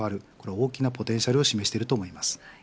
大きなポテンシャルを示していると思います。